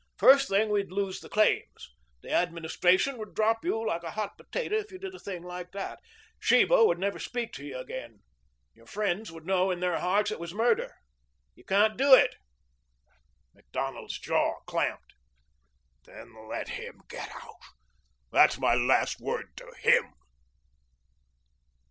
First thing we'd lose the claims. The Administration would drop you like a hot potato if you did a thing like that. Sheba would never speak to you again. Your friends would know in their hearts it was murder. You can't do it." Macdonald's jaw clamped. "Then let him get out. That's my last word to him."